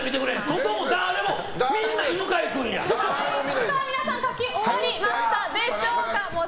外も誰も皆さん書き終わりましたでしょうか。